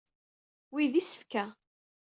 Wi d isefka.